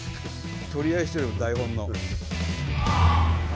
取り合いしてるよ台本の。